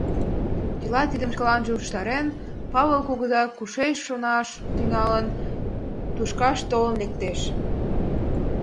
Чыла тидым шкаланже ушештарен, Павыл кугыза кушеч шонаш тӱҥалын, тушкак толын лектеш.